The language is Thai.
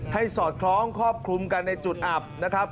สอดคล้องครอบคลุมกันในจุดอับนะครับ